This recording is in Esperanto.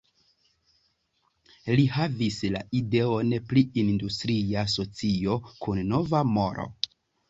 Li havis la ideon pri industria socio kun nova moro.